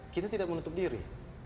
kita tidak menutup diri